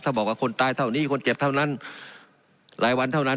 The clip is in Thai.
ถ้าบอกว่าคนตายเท่านี้คนเจ็บเท่านั้นหลายวันเท่านั้น